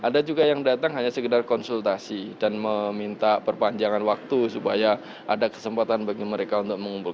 ada juga yang datang hanya sekedar konsultasi dan meminta perpanjangan waktu supaya ada kesempatan bagi mereka untuk mengumpulkan